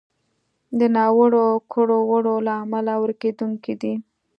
د ناوړو کړو وړو له امله ورکېدونکی دی.